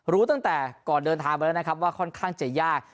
รู้ตั้งแต่ก่อนเดินทางไปแล้วนะครับว่าค่อนข้างจะยาก